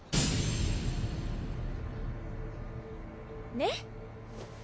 ねっ！